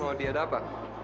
hei maudie ada apa